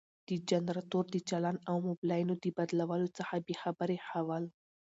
د جنراتور د چالان او مبلينو د بدلولو څخه بې خبري ښوول.